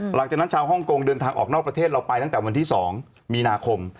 หลังจากนั้นชาวฮ่องกงเดินทางออกนอกประเทศเราไปตั้งแต่วันที่๒มีนาคม